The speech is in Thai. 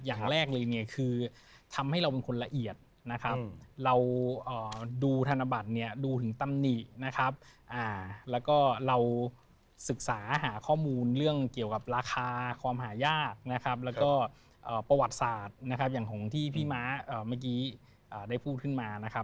อย่างแรกเลยเนี่ยคือทำให้เราเป็นคนละเอียดนะครับเราดูธนบัตรเนี่ยดูถึงตำหนินะครับแล้วก็เราศึกษาหาข้อมูลเรื่องเกี่ยวกับราคาความหายากนะครับแล้วก็ประวัติศาสตร์นะครับอย่างของที่พี่ม้าเมื่อกี้ได้พูดขึ้นมานะครับ